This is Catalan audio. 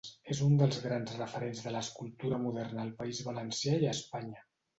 És un dels grans referents de l'escultura moderna al País Valencià i a Espanya.